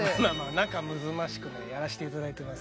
仲むずましくねやらせていただいてます。